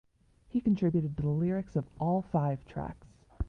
He contributed to the lyrics of all five tracks.